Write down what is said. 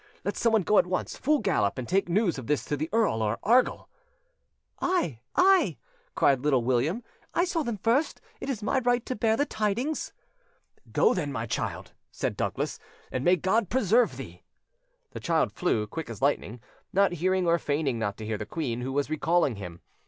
Let someone go at once full gallop and take news of this to the Earl or Argyll." "I! I!" cried Little William. "I saw them first; it is my right to bear the tidings." "Go, then, my child," said Douglas; "and may God preserve thee!" The child flew, quick as lightning, not hearing or feigning not to hear the queen, who was recalling him.